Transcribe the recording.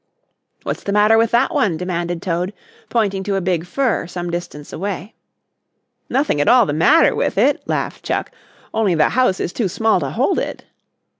"What's the matter with that one?" demanded Toad, pointing to a big fir some distance away. "Nothing at all the matter with it," laughed Chuck, "only the house is too small to hold it."